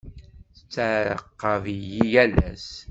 Tettɛaqab-iyi yal ass.